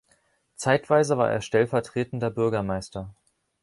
Zeitweise war er stellvertretender Bürgermeister.